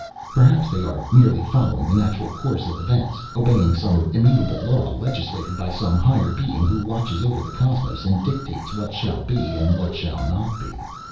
Perhaps they are merely following the natural course of events, obeying some immutable law legislated by some higher being who watches over the cosmos and dictates what shall be and what shall not be.